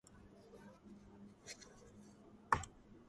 მისი ცხედარი ბათუმის გავლით ქუთაისში გადაასვენეს.